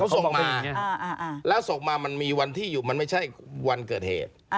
ส่งมาแล้วส่งมามันมีวันที่อยู่มันไม่ใช่วันเกิดเหตุ